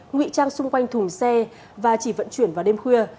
ngụy trang xung quanh thùng xe và chỉ vận chuyển vào đêm khuya